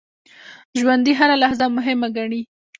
ژوندي هره لحظه مهمه ګڼي